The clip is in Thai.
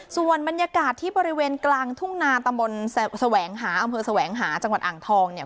ส่วนบรรยากาศที่บริเวณกลางทุ่งนาตำบลแสวงหาอำเภอแสวงหาจังหวัดอ่างทองเนี่ย